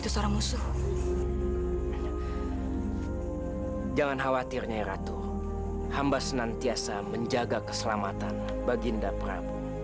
sampai jumpa di video selanjutnya